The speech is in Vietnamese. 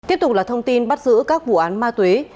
tiếp tục là thông tin bắt giữ các vụ án ma túy